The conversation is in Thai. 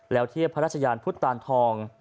แล้วเทียบพระราชยานพุทธตานทอง